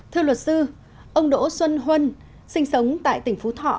thưa luật sư ông đỗ xuân huân sinh sống tại tỉnh phú thọ